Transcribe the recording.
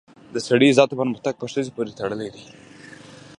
د سړي عزت او پرمختګ په ښځې پورې تړلی دی